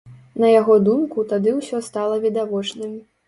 На яго думку, тады ўсё стала відавочным.